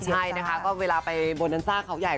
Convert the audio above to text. ใช่นะคะก็เวลาไปโบนันซ่าเขาใหญ่